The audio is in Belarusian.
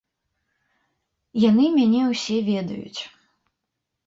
Яны мяне ўсе ведаюць.